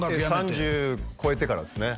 ３０超えてからですね